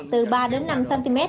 từ ba đến năm cm